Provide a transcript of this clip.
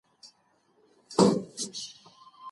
د علم دنده د عيني قوانینو پېژندنه ده.